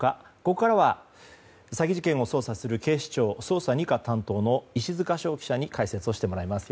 ここからは詐欺事件を捜査する警視庁捜査２課担当の石塚翔記者に解説をしてもらいます。